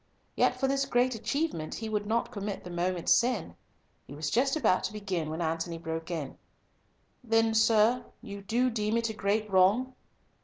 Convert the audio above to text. Yet for this great achievement He would not commit the moment's sin. He was just about to begin when Antony broke in, "Then, sir, you do deem it a great wrong?"